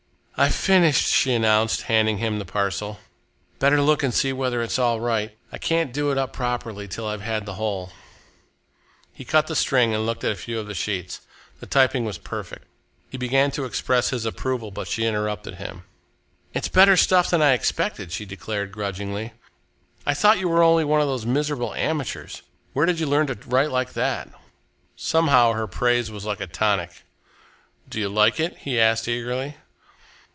"I've finished," she announced, handing him the parcel. "Better look and see whether it's all right. I can't do it up properly till I've had the whole." He cut the string and looked at a few of the sheets. The typing was perfect. He began to express his approval but she interrupted him. "It's better stuff than I expected," she declared grudgingly. "I thought you were only one of these miserable amateurs. Where did you learn to write like that?" Somehow, her praise was like a tonic. "Do you like it?" he asked eagerly.